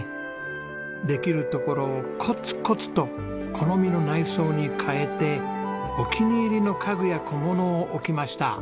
できるところをコツコツと好みの内装に変えてお気に入りの家具や小物を置きました。